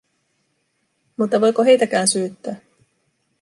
Mutta voiko heitäkään syyttää?